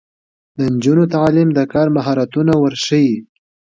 د نجونو تعلیم د کار مهارتونه ورښيي.